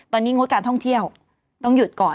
ตอนนี้งดการท่องเที่ยวต้องหยุดก่อน